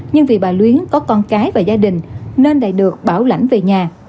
nhưng vì bà luyến có con cái và gia đình nên lại được bảo lãnh về nhà